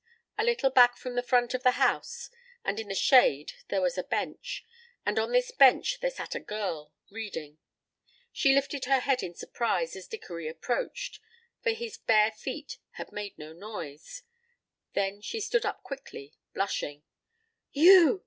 A little back from the front of the house and in the shade there was a bench, and on this bench there sat a girl, reading. She lifted her head in surprise as Dickory approached, for his bare feet had made no noise, then she stood up quickly, blushing. "You!"